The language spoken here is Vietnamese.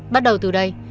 bắt đầu từ đây